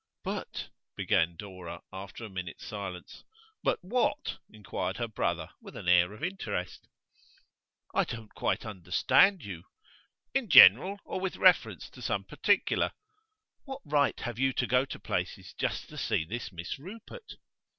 'But ' began Dora, after a minute's silence. 'But what?' inquired her brother with an air of interest. 'I don't quite understand you.' 'In general, or with reference to some particular?' 'What right have you to go to places just to see this Miss Rupert?